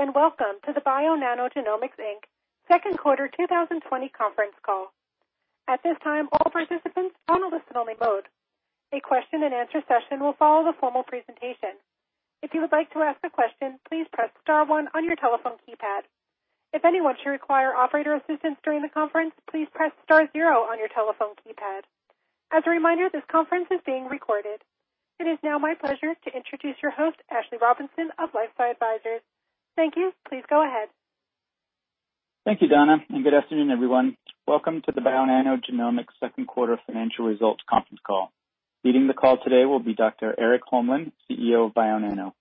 Greetings, and welcome to the Bionano Genomics, Inc. second quarter 2020 conference call. At this time, all participants are on a listen-only mode. A question and answer session will follow the formal presentation. If you would like to ask a question, please press star one on your telephone keypad. If anyone should require operator assistance during the conference, please press star zero on your telephone keypad. As a reminder, this conference is being recorded. It is now my pleasure to introduce your host, Ashley Robinson of LifeSci Advisors. Thank you. Please go ahead. Thank you, Donna. Good afternoon, everyone. Welcome to the Bionano Genomics second quarter financial results conference call. Leading the call today will be Dr. Erik Holmlin, Chief Executive Officer of Bionano.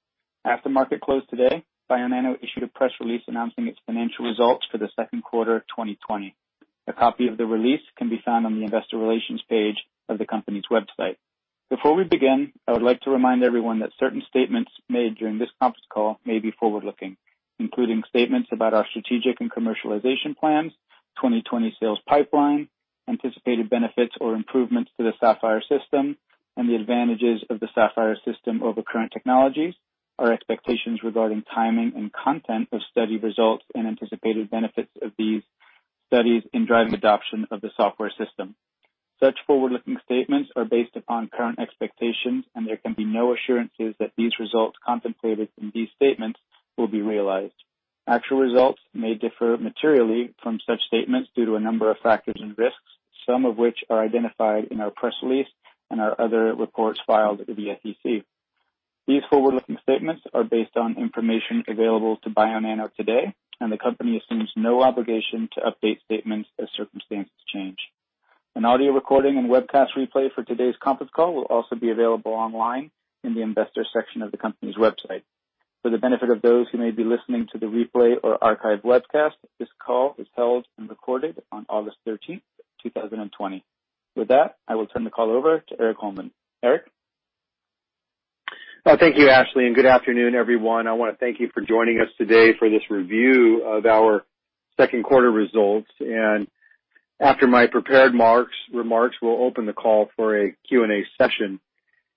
After market close today, Bionano issued a press release announcing its financial results for the second quarter of 2020. A copy of the release can be found on the investor relations page of the company's website. Before we begin, I would like to remind everyone that certain statements made during this conference call may be forward-looking, including statements about our strategic and commercialization plans, 2020 sales pipeline, anticipated benefits or improvements to the Saphyr system, and the advantages of the Saphyr system over current technologies, our expectations regarding timing and content of study results, and anticipated benefits of these studies in driving adoption of the Saphyr system. Such forward-looking statements are based upon current expectations, and there can be no assurances that these results contemplated in these statements will be realized. Actual results may differ materially from such statements due to a number of factors and risks, some of which are identified in our press release and our other reports filed with the SEC. These forward-looking statements are based on information available to Bionano today, and the company assumes no obligation to update statements as circumstances change. An audio recording and webcast replay for today's conference call will also be available online in the investor section of the company's website. For the benefit of those who may be listening to the replay or archived webcast, this call was held and recorded on August 13th, 2020. With that, I will turn the call over to Erik Holmlin. Erik? Well, thank you, Ashley. Good afternoon, everyone. I want to thank you for joining us today for this review of our second quarter results. After my prepared remarks, we'll open the call for a Q&A session.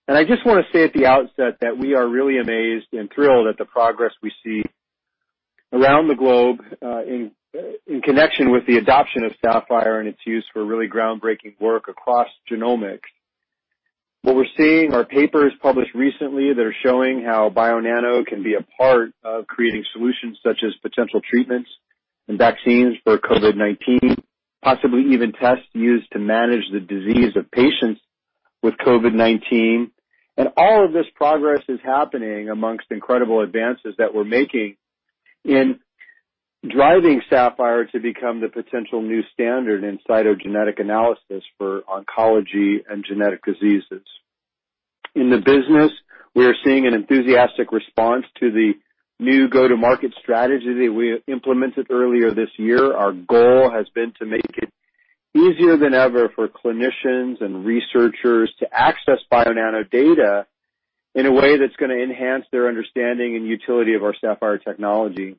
I just want to say at the outset that we are really amazed and thrilled at the progress we see around the globe, in connection with the adoption of Saphyr and its use for really groundbreaking work across genomics. What we're seeing are papers published recently that are showing how Bionano can be a part of creating solutions such as potential treatments and vaccines for COVID-19, possibly even tests used to manage the disease of patients with COVID-19. All of this progress is happening amongst incredible advances that we're making in driving Saphyr to become the potential new standard in cytogenetic analysis for oncology and genetic diseases. In the business, we are seeing an enthusiastic response to the new go-to-market strategy that we implemented earlier this year. Our goal has been to make it easier than ever for clinicians and researchers to access Bionano data in a way that's going to enhance their understanding and utility of our Saphyr technology.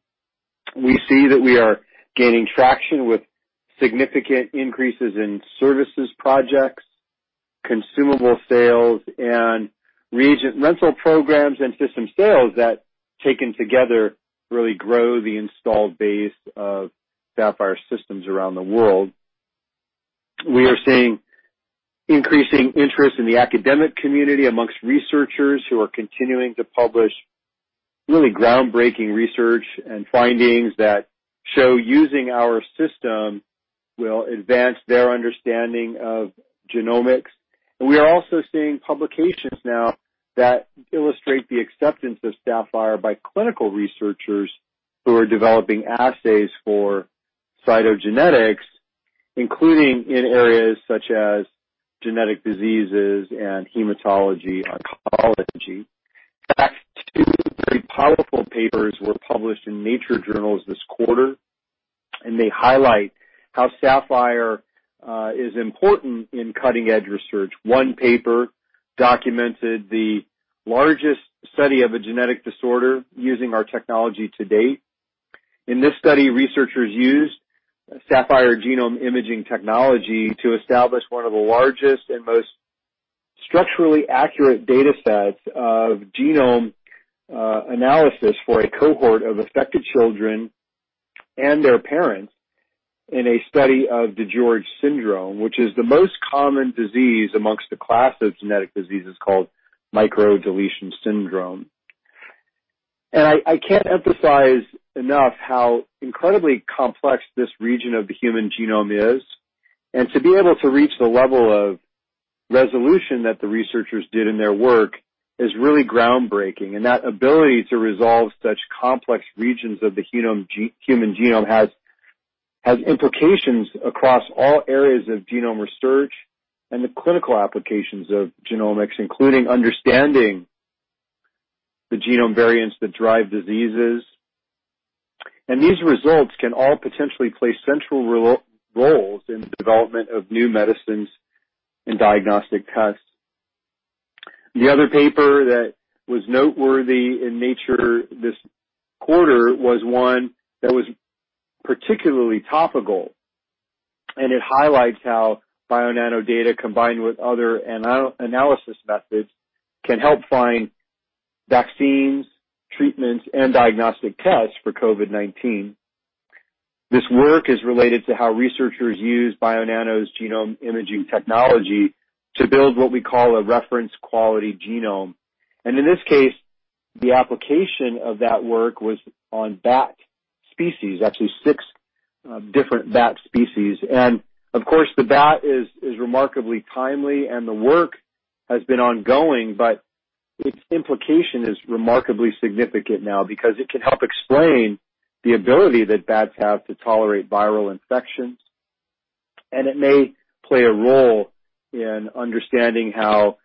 We see that we are gaining traction with significant increases in services projects, consumable sales, and reagent rental programs and system sales that, taken together, really grow the installed base of Saphyr systems around the world. We are seeing increasing interest in the academic community amongst researchers who are continuing to publish really groundbreaking research and findings that show using our system will advance their understanding of genomics. We are also seeing publications now that illustrate the acceptance of Saphyr by clinical researchers who are developing assays for cytogenetics, including in areas such as genetic diseases and hematology oncology. In fact, two very powerful papers were published in "Nature" journals this quarter, and they highlight how Saphyr is important in cutting-edge research. One paper documented the largest study of a genetic disorder using our technology to date. In this study, researchers used Saphyr genome imaging technology to establish one of the largest and most structurally accurate data sets of genome analysis for a cohort of affected children and their parents in a study of DiGeorge syndrome, which is the most common disease amongst a class of genetic diseases called microdeletion syndrome. I can't emphasize enough how incredibly complex this region of the human genome is. To be able to reach the level of resolution that the researchers did in their work is really groundbreaking, and that ability to resolve such complex regions of the human genome has implications across all areas of genome research and the clinical applications of genomics, including understanding the genome variants that drive diseases. These results can all potentially play central roles in the development of new medicines and diagnostic tests. The other paper that was noteworthy in Nature this quarter was one that was particularly topical. It highlights how Bionano data, combined with other analysis methods, can help find vaccines, treatments, and diagnostic tests for COVID-19. This work is related to how researchers use Bionano's genome imaging technology to build what we call a reference quality genome. In this case, the application of that work was on bat species, actually six different bat species. Of course, the bat is remarkably timely, and the work has been ongoing, but its implication is remarkably significant now because it can help explain the ability that bats have to tolerate viral infections. It may play a role in understanding how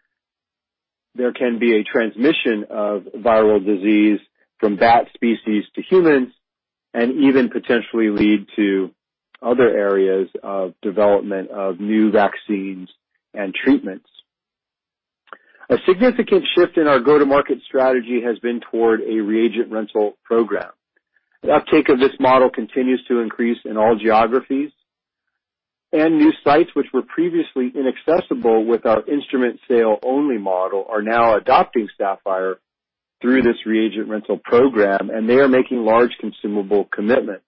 there can be a transmission of viral disease from bat species to humans, and even potentially lead to other areas of development of new vaccines and treatments. A significant shift in our go-to-market strategy has been toward a reagent rental program. The uptake of this model continues to increase in all geographies, and new sites which were previously inaccessible with our instrument sale-only model are now adopting Saphyr through this reagent rental program, and they are making large consumable commitments.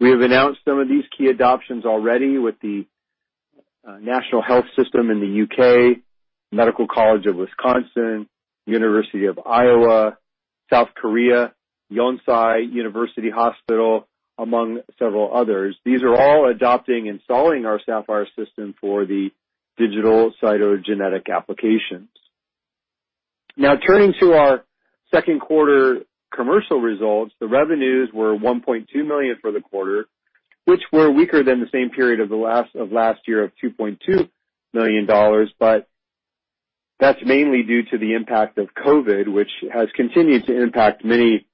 We have announced some of these key adoptions already with the National Health Service in the U.K., Medical College of Wisconsin, University of Iowa, South Korea, Yonsei University Hospital, among several others. These are all adopting and installing our Saphyr system for the digital cytogenetic applications. Turning to our second quarter commercial results, the revenues were $1.2 million for the quarter, which were weaker than the same period of last year of $2.2 million. That's mainly due to the impact of COVID, which has continued to impact many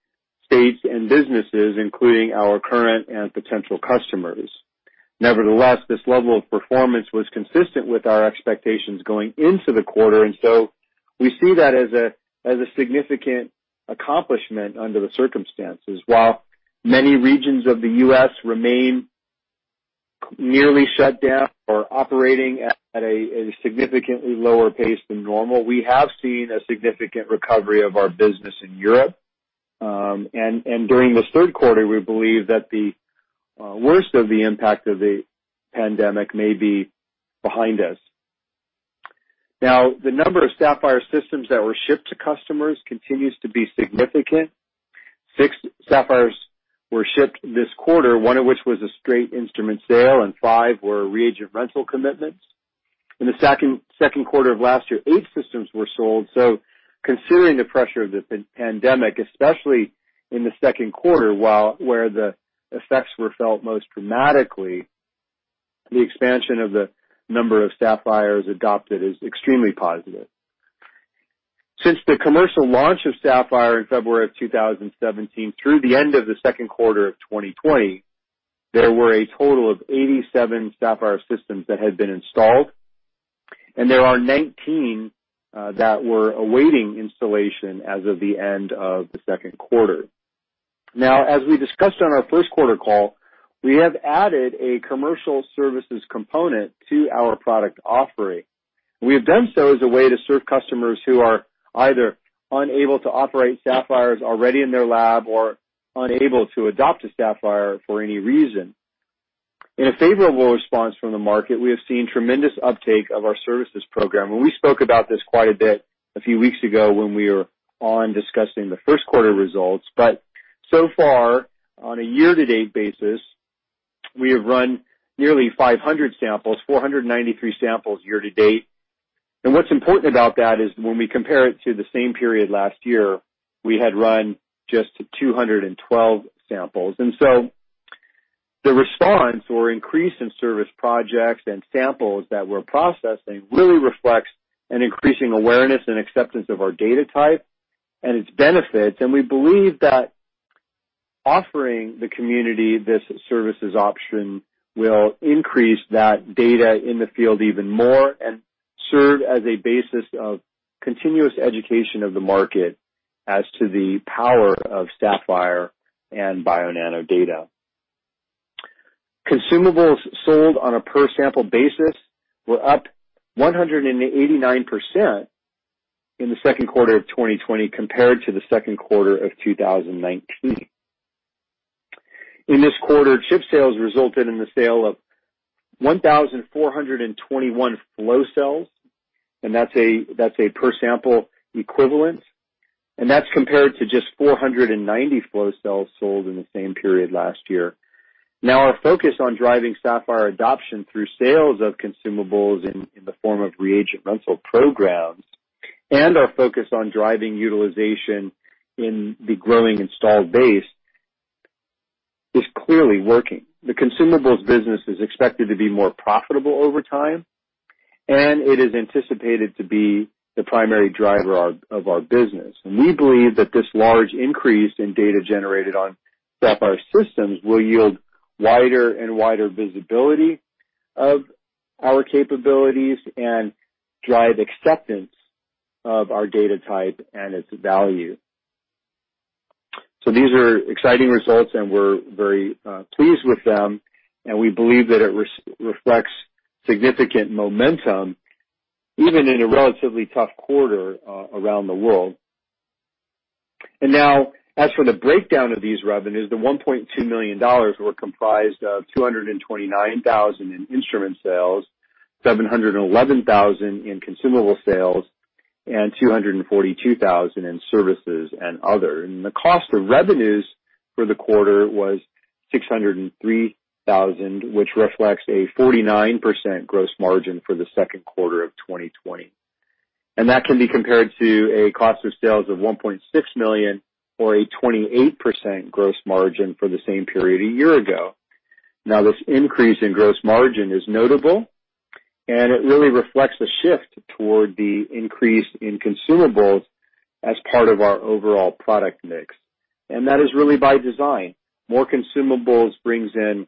states and businesses, including our current and potential customers. Nevertheless, this level of performance was consistent with our expectations going into the quarter, we see that as a significant accomplishment under the circumstances. While many regions of the U.S. remain nearly shut down or operating at a significantly lower pace than normal, we have seen a significant recovery of our business in Europe. During this third quarter, we believe that the worst of the impact of the pandemic may be behind us. Now, the number of Saphyr systems that were shipped to customers continues to be significant. Six Saphyr were shipped this quarter, one of which was a straight instrument sale, and five were reagent rental commitments. In the second quarter of last year, eight systems were sold. Considering the pressure of the pandemic, especially in the second quarter, where the effects were felt most dramatically, the expansion of the number of Saphyr adopted is extremely positive. Since the commercial launch of Saphyr in February 2017 through the end of the second quarter of 2020, there were a total of 87 Saphyr systems that had been installed, and there are 19 that were awaiting installation as of the end of the second quarter. Now, as we discussed on our first quarter call, we have added a commercial services component to our product offering. We have done so as a way to serve customers who are either unable to operate Saphyr already in their lab or unable to adopt a Saphyr for any reason. In a favorable response from the market, we have seen tremendous uptake of our services program. We spoke about this quite a bit a few weeks ago when we were on discussing the first quarter results. So far, on a year-to-date basis, we have run nearly 500 samples, 493 samples year-to-date. What's important about that is when we compare it to the same period last year, we had run just 212 samples. The response or increase in service projects and samples that we're processing really reflects an increasing awareness and acceptance of our data type and its benefits, and we believe that offering the community this services option will increase that data in the field even more and serve as a basis of continuous education of the market as to the power of Saphyr and Bionano data. Consumables sold on a per sample basis were up 189% in the second quarter of 2020 compared to the second quarter of 2019. In this quarter, chip sales resulted in the sale of 1,421 flow cells, and that's a per sample equivalent, and that's compared to just 490 flow cells sold in the same period last year. Our focus on driving Saphyr adoption through sales of consumables in the form of reagent rental programs and our focus on driving utilization in the growing installed base is clearly working. The consumables business is expected to be more profitable over time, and it is anticipated to be the primary driver of our business. We believe that this large increase in data generated on Saphyr systems will yield wider and wider visibility of our capabilities and drive acceptance of our data type and its value. These are exciting results, and we're very pleased with them, and we believe that it reflects significant momentum even in a relatively tough quarter around the world. As for the breakdown of these revenues, the $1.2 million were comprised of $229,000 in instrument sales, $711,000 in consumable sales, and $242,000 in services and other. The cost of revenues for the quarter was $603,000, which reflects a 49% gross margin for the second quarter of 2020. That can be compared to a cost of sales of $1.6 million or a 28% gross margin for the same period a year ago. This increase in gross margin is notable, and it really reflects a shift toward the increase in consumables as part of our overall product mix. That is really by design. More consumables brings in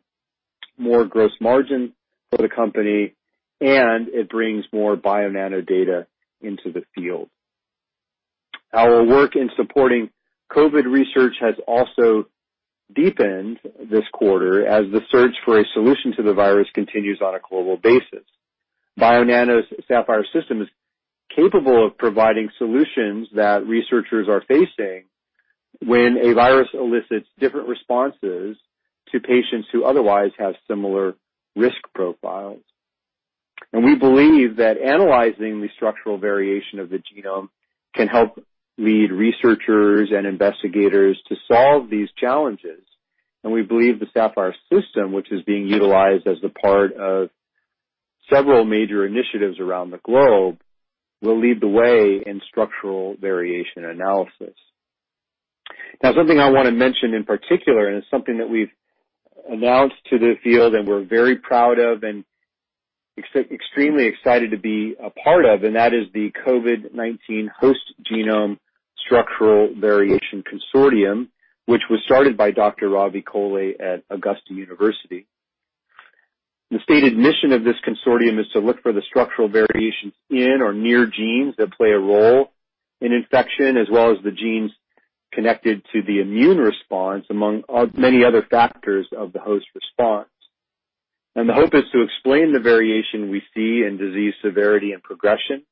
more gross margin for the company, and it brings more Bionano data into the field. Our work in supporting COVID research has also deepened this quarter as the search for a solution to the virus continues on a global basis. Bionano's Saphyr system is capable of providing solutions that researchers are facing when a virus elicits different responses to patients who otherwise have similar risk profiles. We believe that analyzing the structural variation of the genome can help lead researchers and investigators to solve these challenges. We believe the Saphyr system, which is being utilized as a part of several major initiatives around the globe, will lead the way in structural variation analysis. Now, something I want to mention in particular, and it's something that we've announced to the field and we're very proud of and extremely excited to be a part of, and that is the COVID-19 Host Genome Structural Variation Consortium, which was started by Dr. Ravi Kolhe at Augusta University. The stated mission of this consortium is to look for the structural variations in or near genes that play a role in infection, as well as the genes connected to the immune response, among many other factors of the host response. The hope is to explain the variation we see in disease severity and progression.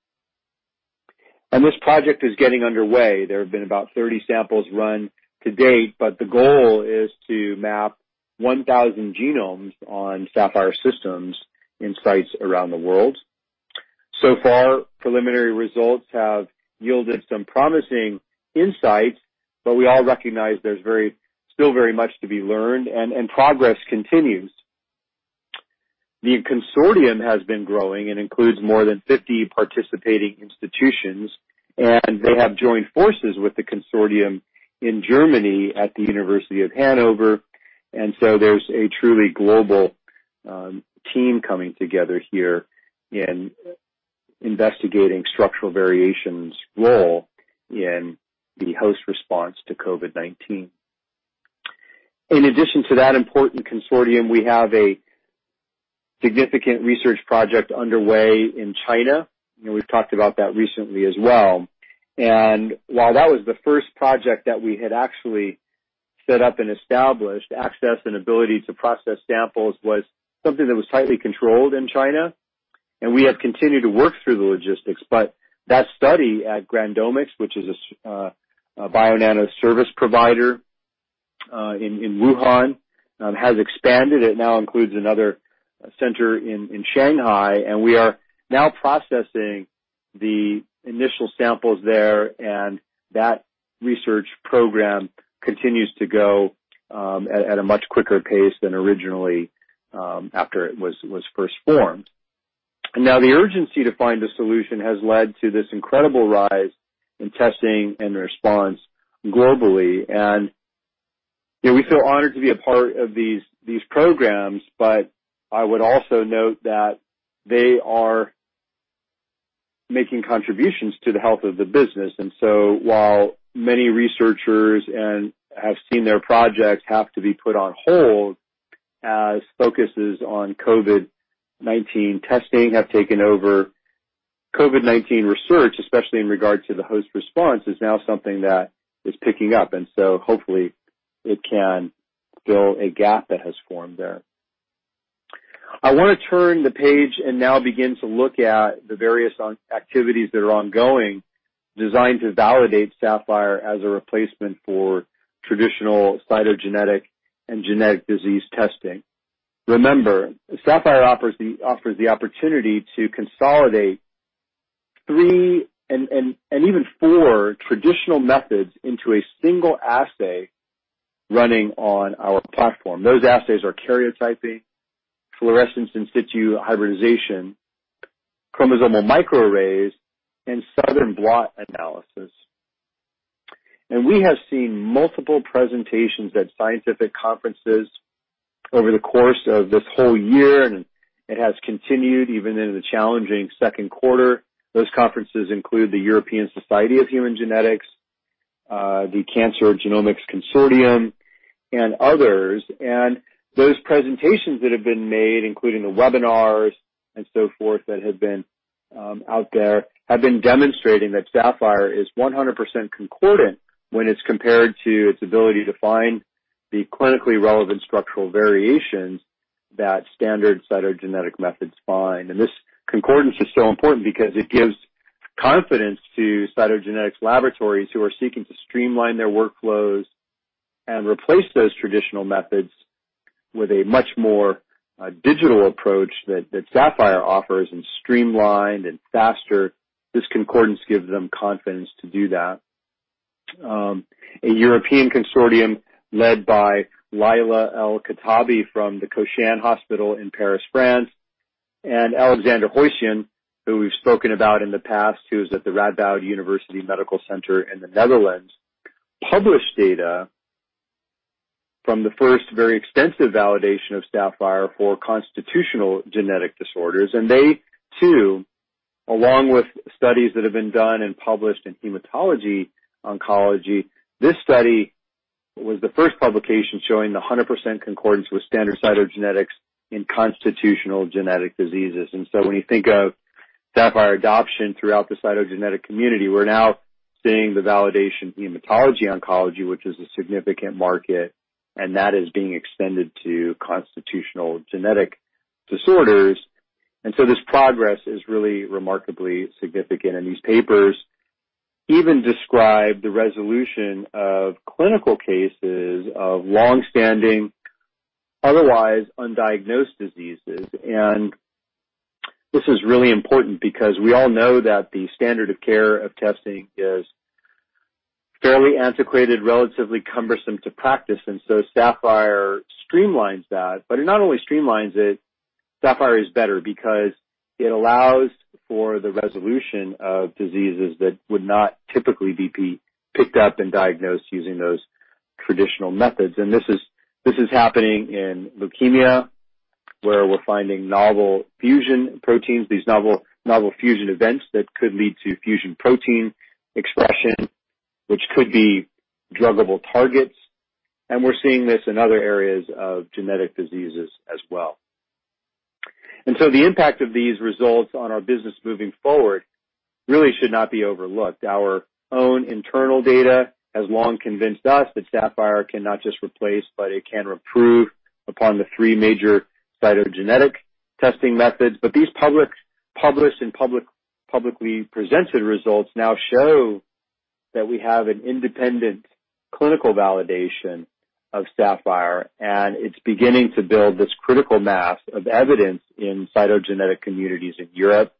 This project is getting underway. There have been about 30 samples run to date, but the goal is to map 1,000 genomes on Saphyr systems in sites around the world. Preliminary results have yielded some promising insights, but we all recognize there's still very much to be learned, and progress continues. The consortium has been growing and includes more than 50 participating institutions, they have joined forces with the consortium in Germany at the University of Hannover, there's a truly global team coming together here in investigating structural variation's role in the host response to COVID-19. In addition to that important consortium, we have a significant research project underway in China, we've talked about that recently as well. While that was the first project that we had actually set up and established, access and ability to process samples was something that was tightly controlled in China, we have continued to work through the logistics. That study at GrandOmics, which is a Bionano Genomics service provider in Wuhan, has expanded. It now includes another center in Shanghai, and we are now processing the initial samples there, and that research program continues to go at a much quicker pace than originally, after it was first formed. And know the urgency to find a solution has led to this incredible rise in testing and response globally. We feel honored to be a part of these programs, but I would also note that they are making contributions to the health of the business. While many researchers have seen their projects have to be put on hold as focuses on COVID-19 testing have taken over, COVID-19 research, especially in regard to the host response, is now something that is picking up, and so hopefully it can fill a gap that has formed there. I want to turn the page and now begin to look at the various activities that are ongoing, designed to validate Saphyr as a replacement for traditional cytogenetic and genetic disease testing. Remember, Saphyr offers the opportunity to consolidate three and even four traditional methods into a single assay running on our platform. Those assays are karyotyping, fluorescence in situ hybridization, chromosomal microarrays, and Southern blot analysis. We have seen multiple presentations at scientific conferences over the course of this whole year, and it has continued even into the challenging second quarter. Those conferences include the European Society of Human Genetics, the Cancer Genomics Consortium, and others. Those presentations that have been made, including the webinars and so forth, that have been out there, have been demonstrating that Saphyr is 100% concordant when it's compared to its ability to find the clinically relevant structural variations that standard cytogenetic methods find. This concordance is so important because it gives confidence to cytogenetics laboratories who are seeking to streamline their workflows and replace those traditional methods with a much more digital approach that Saphyr offers, and streamlined, and faster. This concordance gives them confidence to do that. A European consortium led by Laïla El Khattabi from the Cochin Hospital in Paris, France, and Alexander Hoischen, who we've spoken about in the past, who's at the Radboud University Medical Center in the Netherlands, published data from the first very extensive validation of Saphyr for constitutional genetic disorders. They, too, along with studies that have been done and published in hematology oncology, this study was the first publication showing the 100% concordance with standard cytogenetics in constitutional genetic disorders. When you think of Saphyr adoption throughout the cytogenetic community, we're now seeing the validation in hematology oncology, which is a significant market, and that is being extended to constitutional genetic disorders. This progress is really remarkably significant, and these papers even describe the resolution of clinical cases of long-standing, otherwise undiagnosed diseases. This is really important because we all know that the standard of care of testing is fairly antiquated, relatively cumbersome to practice, so Saphyr streamlines that. It not only streamlines it, Saphyr is better because it allows for the resolution of diseases that would not typically be picked up and diagnosed using those traditional methods. This is happening in leukemia, where we are finding novel fusion proteins, these novel fusion events that could lead to fusion protein expression, which could be druggable targets. We are seeing this in other areas of genetic diseases as well. The impact of these results on our business moving forward really should not be overlooked. Our own internal data has long convinced us that Saphyr cannot just replace, but it can improve upon the three major cytogenetic testing methods. These published and publicly presented results now show that we have an independent clinical validation of Saphyr, and it is beginning to build this critical mass of evidence in cytogenetic communities in Europe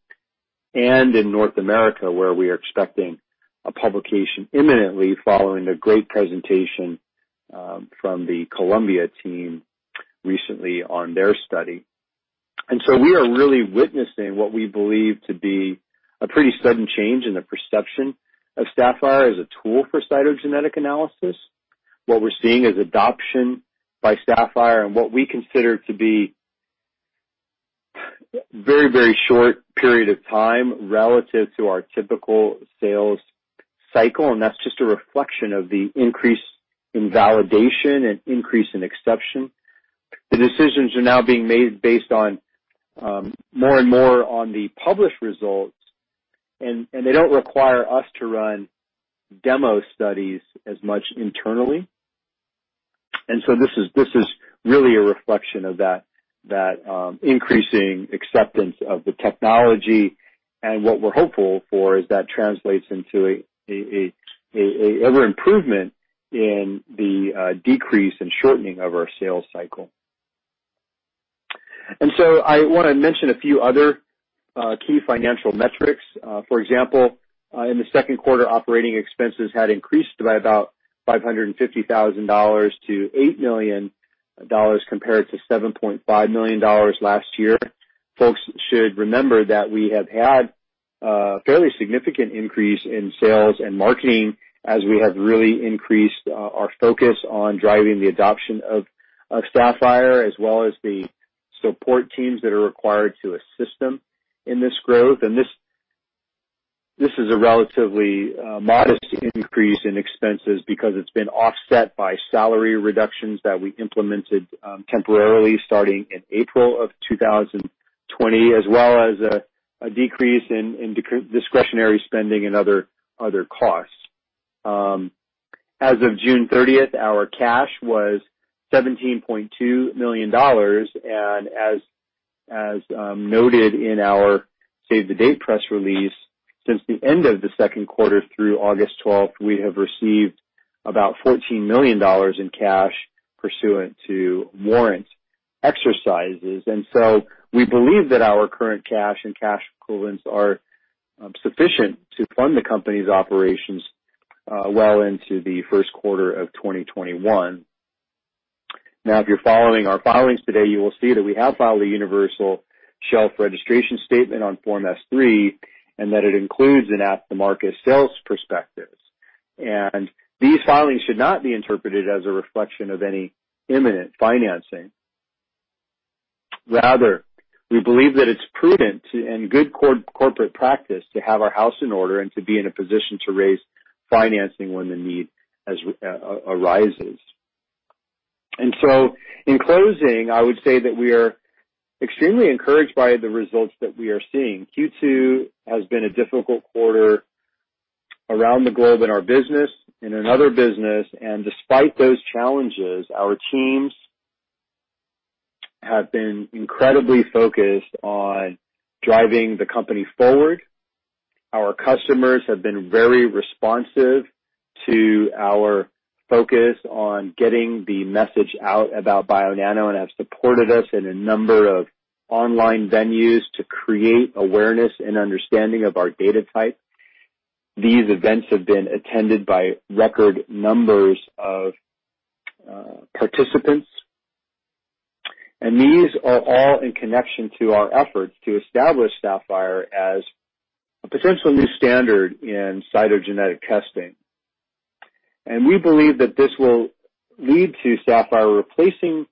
and in North America, where we are expecting a publication imminently following a great presentation from the Columbia team recently on their study. We are really witnessing what we believe to be a pretty sudden change in the perception of Saphyr as a tool for cytogenetic analysis. What we're seeing is adoption by Saphyr in what we consider to be very short period of time relative to our typical sales cycle, and that's just a reflection of the increase in validation and increase in acceptance. The decisions are now being made based on more and more on the published results, and they don't require us to run demo studies as much internally. This is really a reflection of that increasing acceptance of the technology. What we're hopeful for is that translates into a ever improvement in the decrease and shortening of our sales cycle. I want to mention a few other key financial metrics. For example, in the second quarter, operating expenses had increased by about $550,000-$8 million, compared to $7.5 million last year. Folks should remember that we have had a fairly significant increase in sales and marketing as we have really increased our focus on driving the adoption of Saphyr, as well as the support teams that are required to assist them in this growth. This is a relatively modest increase in expenses because it has been offset by salary reductions that we implemented temporarily starting in April of 2020, as well as a decrease in discretionary spending and other costs. As of June 30th, our cash was $17.2 million, and as noted in our save the date press release, since the end of the second quarter through August 12th, we have received about $14 million in cash pursuant to warrant exercises. We believe that our current cash and cash equivalents are sufficient to fund the company's operations well into the first quarter of 2021. If you're following our filings today, you will see that we have filed a universal shelf registration statement on Form S-3, and that it includes an at-the-market sales prospectus. These filings should not be interpreted as a reflection of any imminent financing. We believe that it's prudent and good corporate practice to have our house in order and to be in a position to raise financing when the need arises. In closing, I would say that we are extremely encouraged by the results that we are seeing. Q2 has been a difficult quarter around the globe in our business, in another business, and despite those challenges, our teams have been incredibly focused on driving the company forward. Our customers have been very responsive to our focus on getting the message out about Bionano and have supported us in a number of online venues to create awareness and understanding of our data type. These events have been attended by record numbers of participants, and these are all in connection to our efforts to establish Saphyr as a potential new standard in cytogenetic testing. We believe that this will lead to Saphyr replacing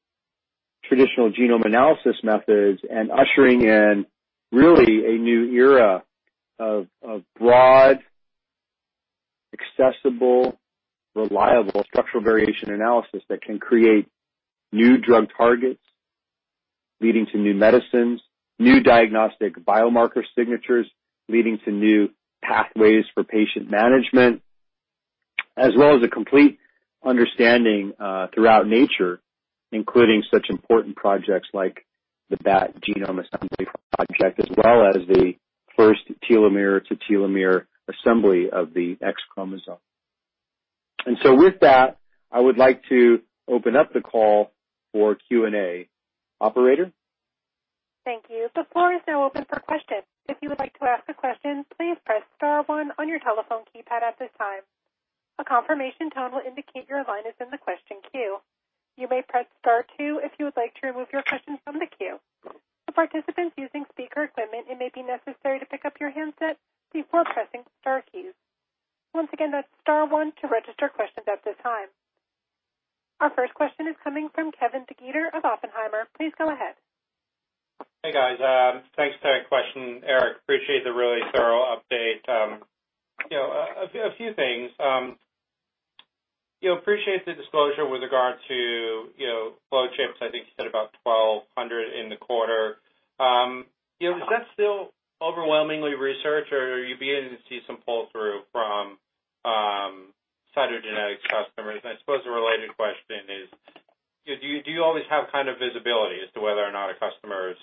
traditional genome analysis methods and ushering in really a new era of broad, accessible, reliable structural variation analysis that can create new drug targets leading to new medicines, new diagnostic biomarker signatures, leading to new pathways for patient management, as well as a complete understanding, throughout nature, including such important projects like the Bat Genome Assembly Project, as well as the first telomere to telomere assembly of the X chromosome. With that, I would like to open up the call for Q&A. Operator? Thank you. The floor is now open for questions. If you would like to ask a question, please press star one on your telephone keypad at this time. A confirmation tone will indicate your line is in the question queue. You may press star two if you would like to remove your question from the queue. For participants using speaker equipment, it may be necessary to pick up your handset before pressing star keys. Once again, that's star one to register questions at this time. Our first question is coming from Kevin DeGeeter of Oppenheimer. Please go ahead. Hey, guys. Thanks. Just had a question. Erik, appreciate the really thorough update. A few things. Appreciate the disclosure with regard to flow cells. I think you said about 1,200 in the quarter. Is that still overwhelmingly research, or are you beginning to see some pull-through from cytogenetics customers? I suppose a related question is, do you always have kind of visibility as to whether or not a customer is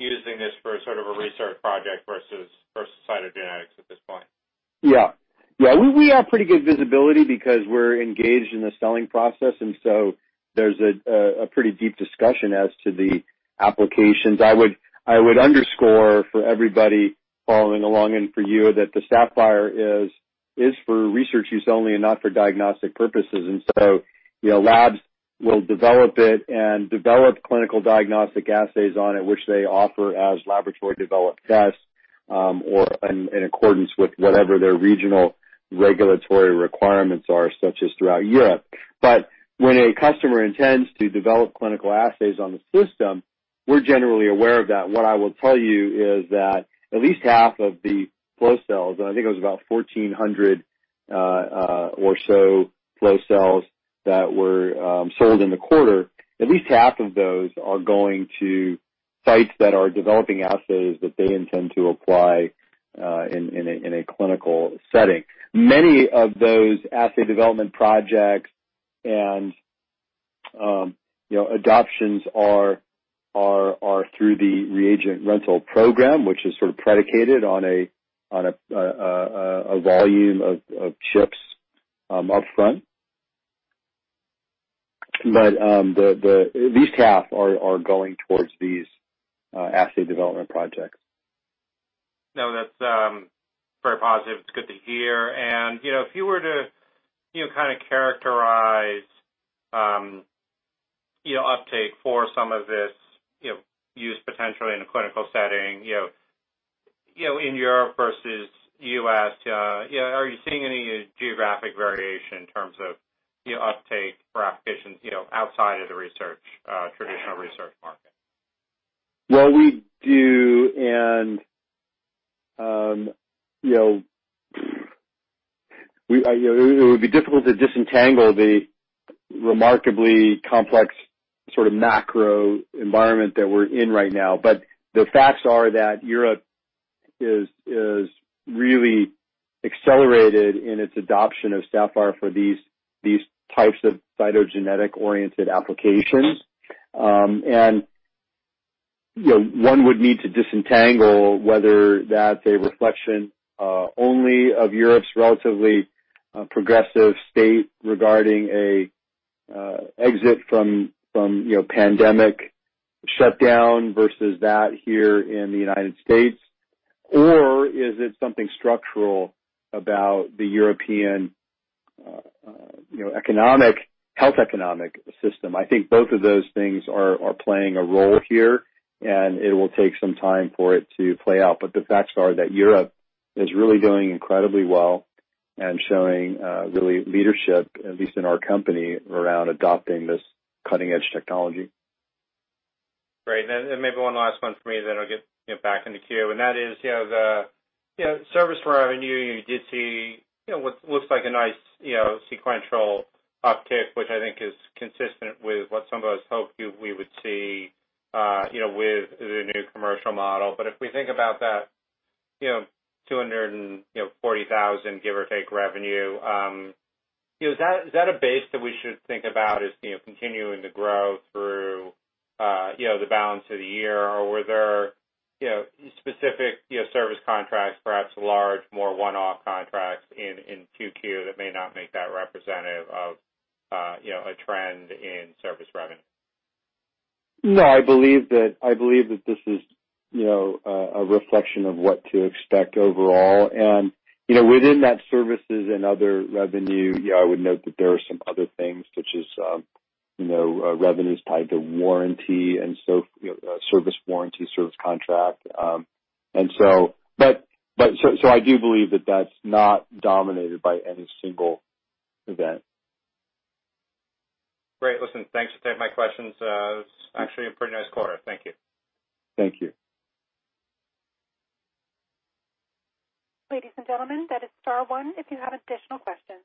using this for sort of a research project versus cytogenetics at this point? Yeah. We have pretty good visibility because we're engaged in the selling process, and so there's a pretty deep discussion as to the applications. I would underscore for everybody following along, and for you, that the Saphyr is for research use only and not for diagnostic purposes. Labs will develop it and develop clinical diagnostic assays on it, which they offer as laboratory-developed tests, or in accordance with whatever their regional regulatory requirements are, such as throughout Europe. When a customer intends to develop clinical assays on the system, we're generally aware of that. What I will tell you is that at least half of the flow cells, and I think it was about 1,400 or so flow cells that were sold in the quarter, at least half of those are going to sites that are developing assays that they intend to apply in a clinical setting. Many of those assay development projects and adoptions are through the reagent rental program, which is sort of predicated on a volume of chips up front. At least half are going towards these assay development projects. No, that's very positive. It's good to hear. If you were to kind of characterize uptake for some of this use potentially in a clinical setting, in Europe versus U.S., are you seeing any geographic variation in terms of uptake for applications, outside of the traditional research market? Well, we do, and it would be difficult to disentangle the remarkably complex sort of macro environment that we're in right now. The facts are that Europe is really accelerated in its adoption of Saphyr for these types of cytogenetic-oriented applications. One would need to disentangle whether that's a reflection only of Europe's relatively progressive state regarding an exit from pandemic shutdown versus that here in the United States, or is it something structural about the European health economic system? I think both of those things are playing a role here, and it will take some time for it to play out. The facts are that Europe is really doing incredibly well and showing really leadership, at least in our company, around adopting this cutting-edge technology. Great. Maybe one last one for me, then I'll get back in the queue. That is, the service revenue, you did see what looks like a nice sequential uptick, which I think is consistent with what some of us hoped we would see with the new commercial model. If we think about that $240,000, give or take, revenue, is that a base that we should think about as continuing to grow through the balance of the year? Were there specific service contracts, perhaps large, more one-off contracts in 2Q that may not make that representative of a trend in service revenue? No, I believe that this is a reflection of what to expect overall. Within that services and other revenue, I would note that there are some other things, such as revenues tied to warranty, and service warranty, service contract. I do believe that that's not dominated by any single event. Great. Listen, thanks for taking my questions. It was actually a pretty nice quarter. Thank you. Thank you. Ladies and gentlemen, that is star one if you have additional questions.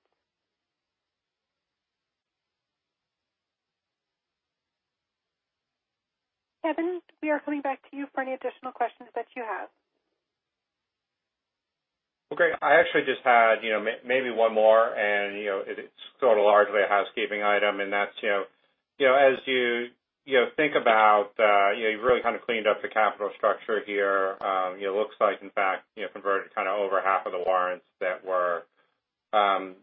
Kevin, we are coming back to you for any additional questions that you have. Okay. I actually just had maybe one more, and it's sort of largely a housekeeping item, and that's, as you think about, you've really cleaned up the capital structure here. It looks like, in fact, you've converted over half of the warrants that were outstanding.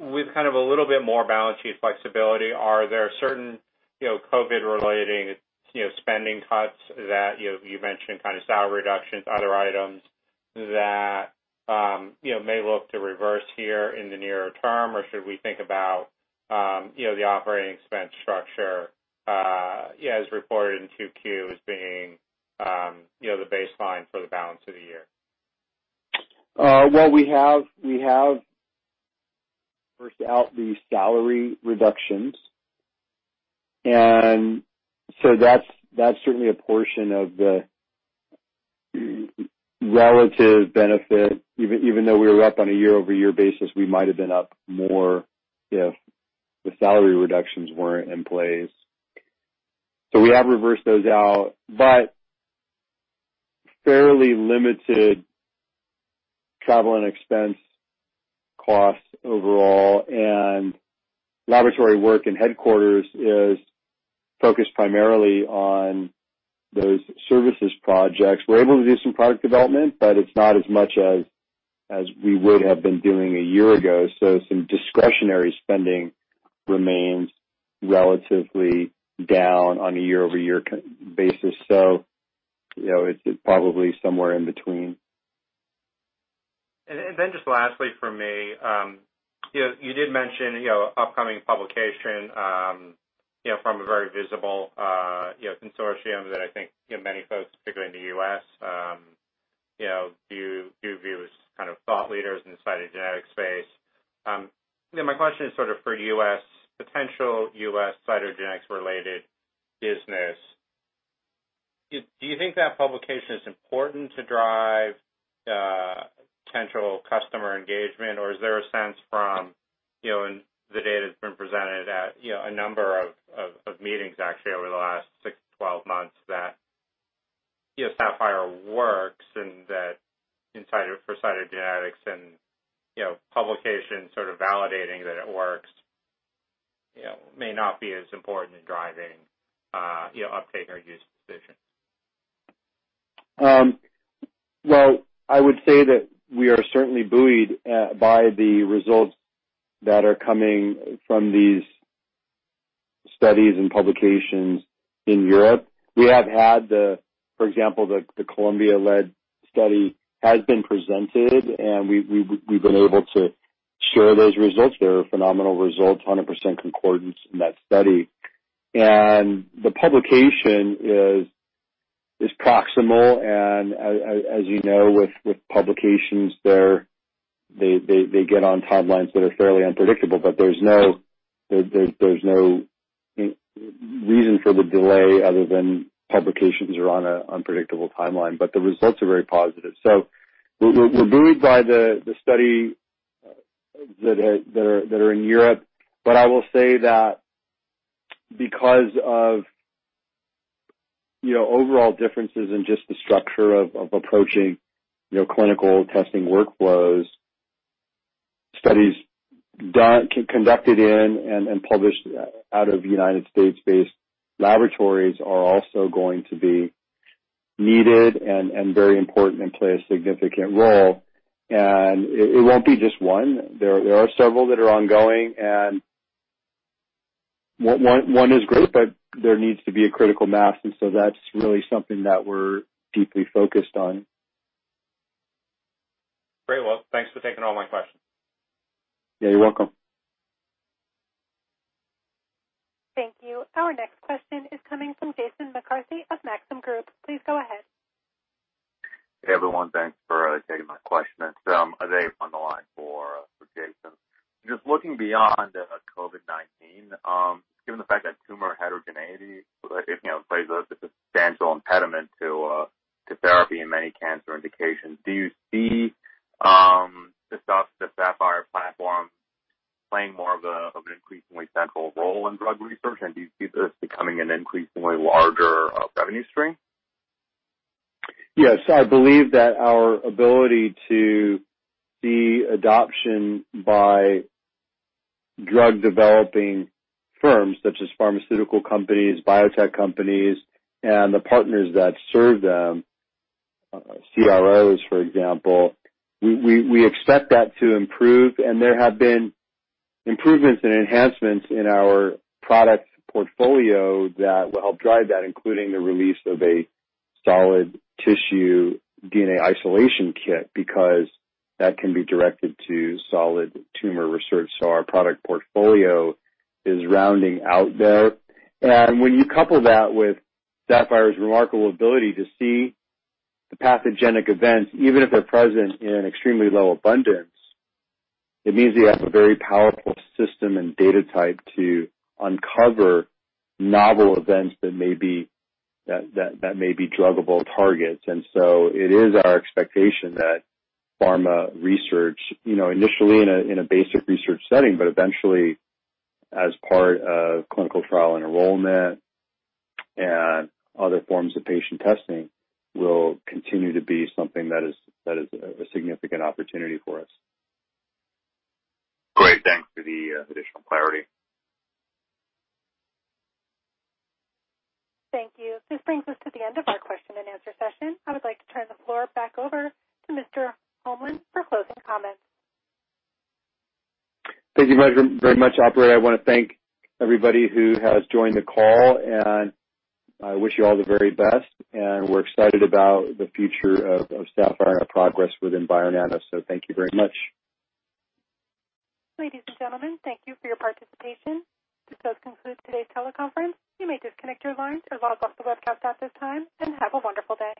With a little bit more balance sheet flexibility, are there certain COVID-related spending cuts that you mentioned, salary reductions, other items that may look to reverse here in the nearer term? Should we think about the operating expense structure as reported in 2Q as being the baseline for the balance of the year? Well, we have reversed out the salary reductions. That's certainly a portion of the relative benefit. Even though we were up on a YoY basis, we might've been up more if the salary reductions weren't in place. We have reversed those out, but fairly limited travel and expense costs overall, and laboratory work and headquarters is focused primarily on those services projects. We're able to do some product development, but it's not as much as we would have been doing a year ago. Some discretionary spending remains relatively down on a YoY basis. It's probably somewhere in between. Just lastly from me, you did mention upcoming publication from a very visible consortium that I think many folks, particularly in the U.S., view as thought leaders in the cytogenetics space. My question is for potential U.S. cytogenetics-related business. Do you think that publication is important to drive potential customer engagement, or is there a sense from the data that's been presented at a number of meetings, actually, over the last 6-12 months that Saphyr works and that for cytogenetics and publication sort of validating that it works may not be as important in driving uptake or use decisions? Well, I would say that we are certainly buoyed by the results that are coming from these studies and publications in Europe. We have had, for example, the Columbia-led study has been presented, and we've been able to share those results. They were phenomenal results, 100% concordance in that study. The publication is proximal, and as you know, with publications, they get on timelines that are fairly unpredictable, but there's no reason for the delay other than publications are on a unpredictable timeline. The results are very positive. We're buoyed by the study that are in Europe. I will say that because of overall differences in just the structure of approaching clinical testing workflows, studies conducted in and published out of U.S.-based laboratories are also going to be needed and very important and play a significant role. It won't be just one. There are several that are ongoing, and one is great, but there needs to be a critical mass, and so that's really something that we're deeply focused on. Very well. Thanks for taking all my questions. Yeah, you're welcome. Thank you. Our next question is coming from Jason McCarthy of Maxim Group. Please go ahead. Hey, everyone, thanks for taking my question. It's Dave on the line for Jason. Just looking beyond COVID-19, given the fact that tumor heterogeneity plays a substantial impediment to therapy in many cancer indications, do you see the Saphyr platform playing more of an increasingly central role in drug research? Do you see this becoming an increasingly larger revenue stream? Yes, I believe that our ability to see adoption by drug-developing firms such as pharmaceutical companies, biotech companies, and the partners that serve them, CROs, for example, we expect that to improve. There have been improvements and enhancements in our product portfolio that will help drive that, including the release of a solid tissue DNA isolation kit, because that can be directed to solid tumor research. Our product portfolio is rounding out there. When you couple that with Saphyr's remarkable ability to see the pathogenic events, even if they're present in extremely low abundance, it means we have a very powerful system and data type to uncover novel events that may be druggable targets. It is our expectation that pharma research, initially in a basic research setting, but eventually as part of clinical trial enrollment and other forms of patient testing, will continue to be something that is a significant opportunity for us. Great. Thanks for the additional clarity. Thank you. This brings us to the end of our question-and-answer session. I would like to turn the floor back over to Mr. Holmlin for closing comments. Thank you very much, operator. I want to thank everybody who has joined the call, and I wish you all the very best. We're excited about the future of Saphyr and our progress within Bionano. Thank you very much. Ladies and gentlemen, thank you for your participation. This does conclude today's teleconference. You may disconnect your lines or log off the webcast at this time, and have a wonderful day.